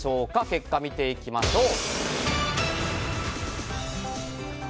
結果、見ていきましょう。